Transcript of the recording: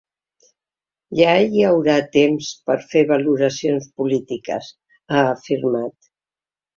Ja hi haurà temps per fer valoracions polítiques, ha afirmat.